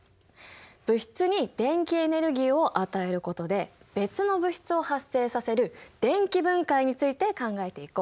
物質に電気エネルギーを与えることで別の物質を発生させる電気分解について考えていこう。